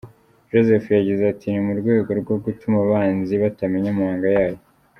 Joseph yagize Ati “ Ni mu rwego rwo gutuma abanzi batamenya amabanga yayo.